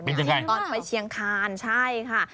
ปุ้นน้ำแจ่วได้ก่อนไปเชียงคาญใช่ค่ะ